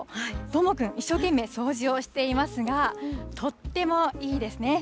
どーもくん、一生懸命掃除をしていますが、とってもいいですね。